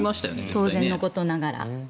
当然のことながら。